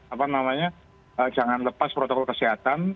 apa namanya jangan lepas protokol kesehatan